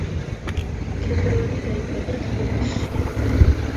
ქეთევანი დაიბადა თბილისში.